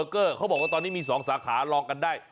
เขาบอกว่าตอนนี้มีสองสาขารอลงได้